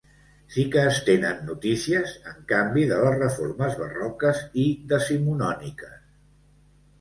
Sí que es tenen notícies, en canvi, de les reformes barroques i decimonòniques.